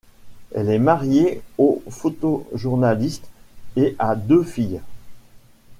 Elle est mariée au photojournaliste et a deux filles.